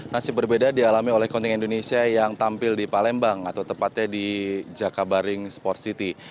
nasib berbeda dialami oleh kontingen indonesia yang tampil di palembang atau tepatnya di jakabaring sports city